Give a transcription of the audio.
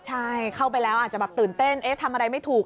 ใช่เข้าไปแล้วอาจจะแบบตื่นเต้นเอ๊ะทำอะไรไม่ถูก